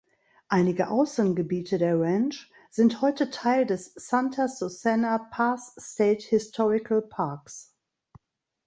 Einige Außengebiete der Ranch sind heute Teil des Santa Susana Pass State Historical Parks.